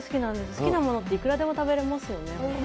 好きなものっていくらでも食べれますよね。